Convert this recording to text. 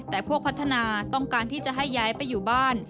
แต่พวกพัฒนาต้องการที่จะให้ย้ายไปอยู่บ้าน